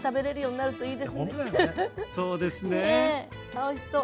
あおいしそう！